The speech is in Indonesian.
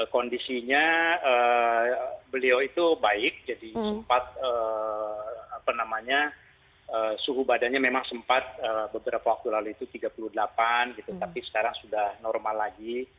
kondisinya beliau itu baik jadi sempat suhu badannya memang sempat beberapa waktu lalu itu tiga puluh delapan tapi sekarang sudah normal lagi